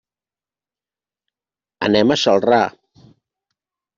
Anem a Celrà.